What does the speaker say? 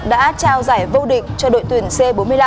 đã trao giải vô địch cho đội tuyển c bốn mươi năm